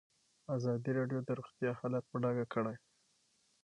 ازادي راډیو د روغتیا حالت په ډاګه کړی.